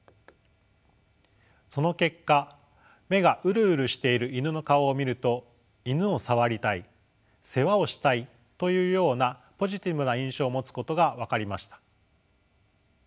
その結果目がウルウルしているイヌの顔を見るとイヌを触りたい世話をしたいというようなポジティブな印象を持つことが分かりました。